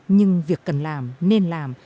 nhưng việc cần làm nên làm